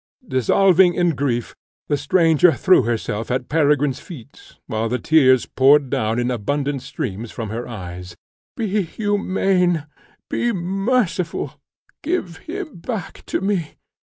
Dissolving in grief, the stranger threw herself at Peregrine's feet, while the tears poured down in abundant streams from her eyes: "Be humane, be merciful give him back to me!"